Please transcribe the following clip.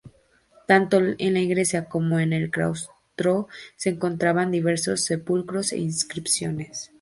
Tanto en la iglesia como en el claustro se encontraban diversos sepulcros e inscripciones.